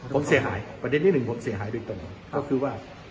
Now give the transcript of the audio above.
ผมเสียหายประเด็นที่หนึ่งผมเสียหายโดยตรงก็คือว่า